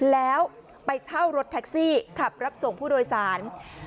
แล้วไปเช่ารถแท็กซี่ขับรับส่งผู้โดยสาร